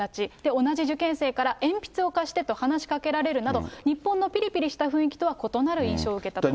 同じ受験生から鉛筆を貸してと話しかけられるなど、日本のぴりぴりした雰囲気とは異なる印象を受けたと。